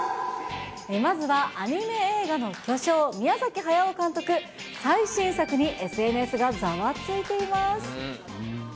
まずはアニメ映画の巨匠、宮崎駿監督、最新作にＳＮＳがざわついています。